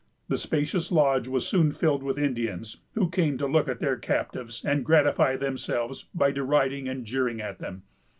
The spacious lodge was soon filled with Indians, who came to look at their captives, and gratify themselves by deriding and jeering at them.